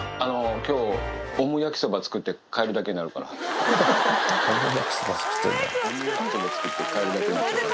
きょう、オム焼きそば作って帰るだけになるから。